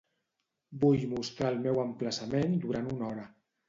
Vull mostrar el meu emplaçament durant una hora.